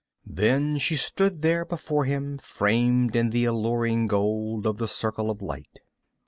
Then she stood there, before him, framed in the alluring gold of the circle of light.